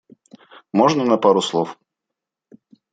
Можно на пару слов?